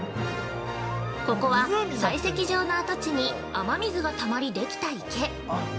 ◆ここは、採石場の跡地に雨水がたまり、できた池。